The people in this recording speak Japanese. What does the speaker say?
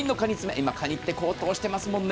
今、かにって高騰していますもんね